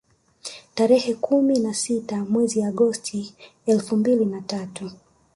Tarehe kumi na sita mwezi Agosti elfu mbili na tatu